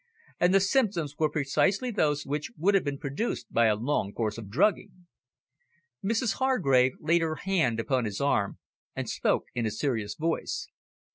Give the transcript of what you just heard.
And the symptoms were precisely those which would have been produced by a long course of drugging." Mrs Hargrave laid her hand upon his arm, and spoke in a serious voice.